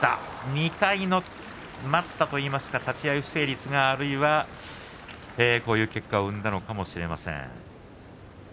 ２回の待ったというか立ち合いの不成立からこういう結果を生んだのかもしれません。